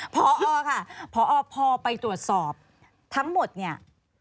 พอค่ะพอพอไปตรวจสอบทั้งหมดเนี่ย